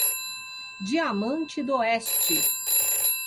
Diamante d'Oeste